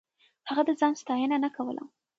هغه د ځان ستاينه نه کوله.